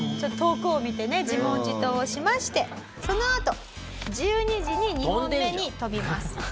遠くを見てね自問自答をしましてそのあと１２時に２本目に飛びます。